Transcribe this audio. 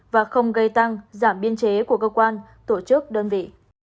và không gây tăng giảm biên chế của cơ quan tổ chức đơn vị